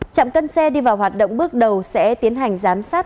trạm cân xe đi vào hoạt động bước đầu sẽ tiến hành giám sát